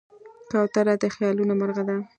کوتره د خیالونو مرغه ده.